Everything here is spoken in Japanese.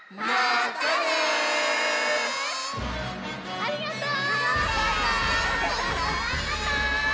ありがとう！